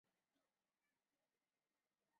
戴渊的父亲。